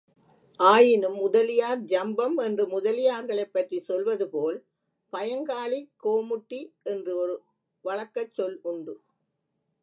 ஆயினும் முதலியார் ஜம்பம்! என்று முதலியார்களைப் பற்றிச் சொல்வதுபோல், பயங்காளி கோமுட்டி என்று ஒரு வழக்கச் சொல் உண்டு.